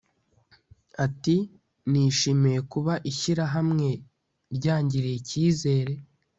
Ati « nishimiye kuba ishyirahamwe ryangiriye icyizere